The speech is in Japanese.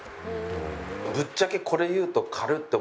ぶっちゃけこれ言うと軽っ！って